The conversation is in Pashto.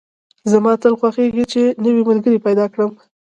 زما تل خوښېږي چې نوی ملګري پیدا کدم